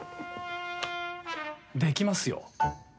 できますよ。